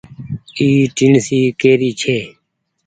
اي ٽيڻسي ڪي ري ڇي۔